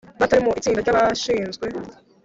Batari mu itsinda ry abashinzwe